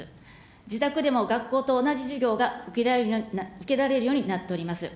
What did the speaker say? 自宅でも学校と同じ授業が受けられるようになっております。